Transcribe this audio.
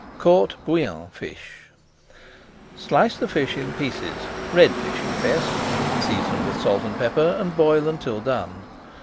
COURT BOUILLON FISH Slice the fish in pieces (red fish is best), season with salt and pepper, and boil until done.